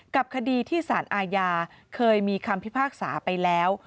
กับคดีที่สารอาญาเคยมีคำพิพากษาไปแล้ว